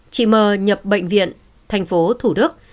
chị m nhập bệnh viện thành phố thủ đức